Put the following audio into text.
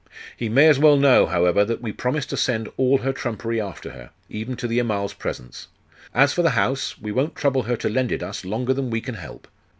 'He may as well know, however, that we promise to send all her trumpery after her, even to the Amal's presents. As for the house, we won't trouble her to lend it us longer than we can help.